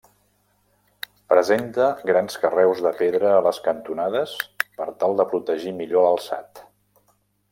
Presenta grans carreus de pedra a les cantonades per tal de protegir millor l'alçat.